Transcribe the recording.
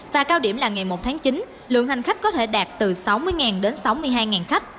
và cao điểm là ngày một tháng chín lượng hành khách có thể đạt từ sáu mươi đến sáu mươi hai khách